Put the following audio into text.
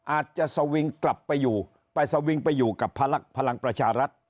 อาจจะสวิงกลับไปประชารัฐ